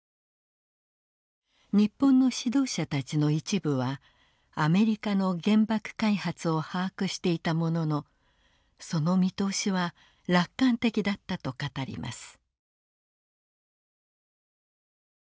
日本の指導者たちの一部はアメリカの原爆開発を把握していたもののその見通しは楽観的だったと語ります。